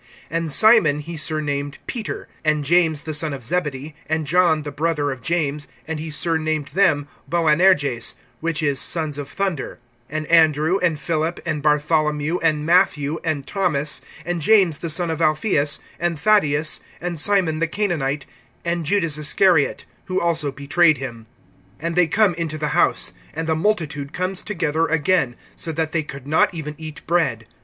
(16)And Simon he surnamed Peter; (17)and James the son of Zebedee, and John the brother of James; and he surnamed them Boanerges, which is, Sons of thunder; (18)and Andrew, and Philip, and Bartholomew, and Matthew, and Thomas, and James the son of Alpheus, and Thaddeus, and Simon the Cananite[3:18], (19)and Judas Iscariot, who also betrayed him. And they come into the house. (20)And the multitude comes together again, so that they could not even eat bread.